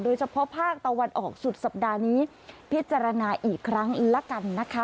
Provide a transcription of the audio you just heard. เฉพาะภาคตะวันออกสุดสัปดาห์นี้พิจารณาอีกครั้งละกันนะคะ